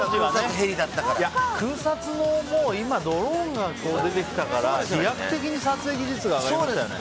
空撮も今、ドローンが出てきたから飛躍的に撮影技術が上がりましたよね。